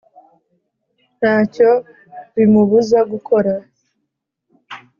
nta cyo bimubuza gukora,